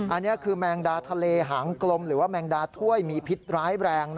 อันนี้คือแมงดาทะเลหางกลมหรือว่าแมงดาถ้วยมีพิษร้ายแรง